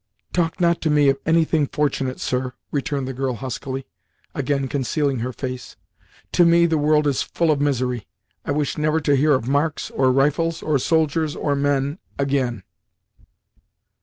"Talk not to me of any thing fortunate, sir," returned the girl huskily, again concealing her face. "To me the world is full of misery. I wish never to hear of marks, or rifles, or soldiers, or men, again!"